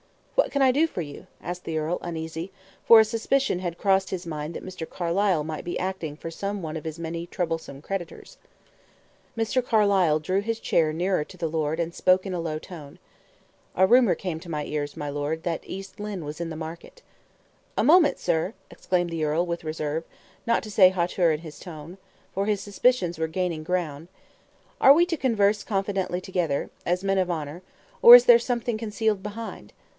"What can I do for you?" asked the earl, uneasily; for a suspicion had crossed his mind that Mr. Carlyle might be acting for some one of his many troublesome creditors. Mr. Carlyle drew his chair nearer to the earl, and spoke in a low tone, "A rumor came to my ears, my lord, that East Lynne was in the market." "A moment, sir," exclaimed the earl, with reserve, not to say hauteur in his tone, for his suspicions were gaining ground; "are we to converse confidentially together, as men of honor, or is there something concealed behind?"